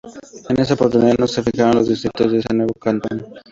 En esa oportunidad no se fijaron los distritos de este nuevo cantón.